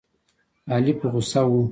علي په غوسه و.